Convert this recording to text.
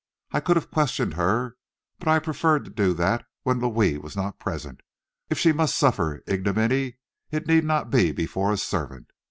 I could have questioned her, but I preferred to do that when Louis was not present. If she must suffer ignominy it need not be before a servant.